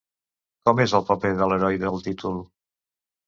Com és el paper de l'heroi del títol?